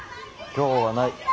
今日はない。